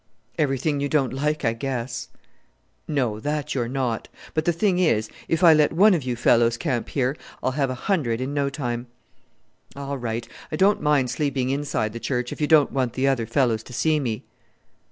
"Everything you don't like, I guess." "No, that you're not. But the thing is, if I let one of you fellows camp here, I'll have a hundred in no time." "All right! I don't mind sleeping inside the church, if you don't want the other fellows to see me!"